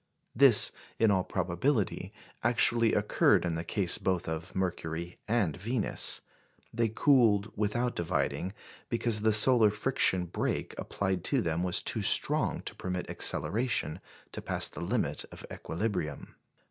This, in all probability, actually occurred in the case both of Mercury and Venus. They cooled without dividing, because the solar friction brake applied to them was too strong to permit acceleration to pass the limit of equilibrium.